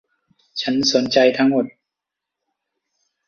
ฉันสนใจทั้งหมด